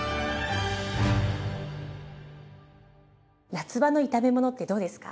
夏場の炒め物ってどうですか？